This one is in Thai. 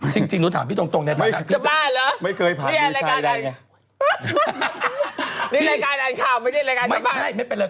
สิ่งจริงหนูถามพี่ตรงในตอนต่างพี่เขียนข้าวจะเล่น